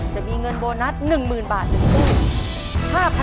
จะมีเงินโบนัส๑๐๐๐บาท๑ตู้